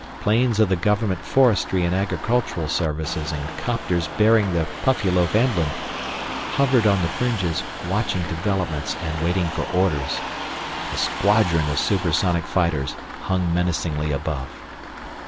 Planes of the government forestry and agricultural services and 'copters bearing the Puffyloaf emblem hovered on the fringes, watching developments and waiting for orders. A squadron of supersonic fighters hung menacingly above.